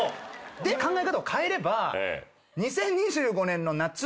考え方を変えれば。